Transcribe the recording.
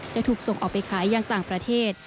จะถูกส่งออกไปขายอย่างต่างประเทศ